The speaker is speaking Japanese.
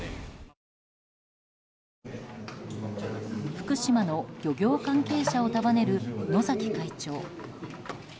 福島の漁業関係者を束ねる野崎会長。